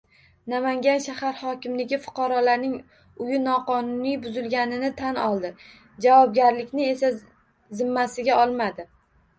Namangan shahar hokimligi fuqaroning uyi noqonuniy buzilganini tan oldi. Javobgarlikni esa zimmasiga olmadi